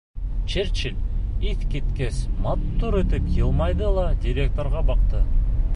Черчилль иҫ киткес матур итеп йылмайҙы ла директорға баҡты: